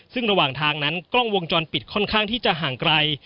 ซึ่งระหว่างทางนั้นกล้องวงจรปิดค่อนข้างที่จะห่างไกล